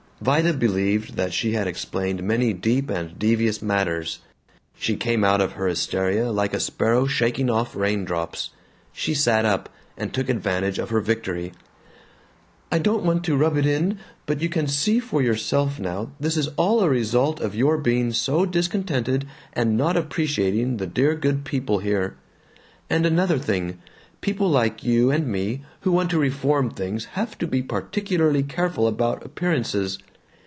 Vida believed that she had explained many deep and devious matters. She came out of her hysteria like a sparrow shaking off rain drops. She sat up, and took advantage of her victory: "I don't want to rub it in, but you can see for yourself now, this is all a result of your being so discontented and not appreciating the dear good people here. And another thing: People like you and me, who want to reform things, have to be particularly careful about appearances.